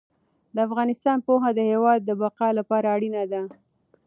د افغانستان پوهنه د هېواد د بقا لپاره اړینه ده.